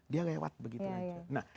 dia lewat begitu aja